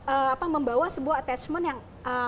ee apa membawa sebuah attachment yang